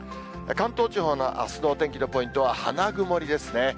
関東地方のあすのお天気のポイントは花曇りですね。